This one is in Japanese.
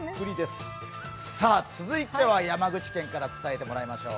続いては山口県から伝えてもらいましょう。